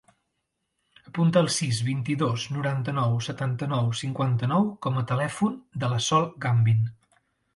Apunta el sis, vint-i-dos, noranta-nou, setanta-nou, cinquanta-nou com a telèfon de la Sol Gambin.